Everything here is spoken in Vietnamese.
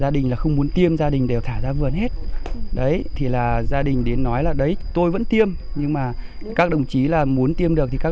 đấy thì là gia đình đến nói là đấy tôi vẫn tiêm nhưng mà các đồng chí là muốn tiêm được thì các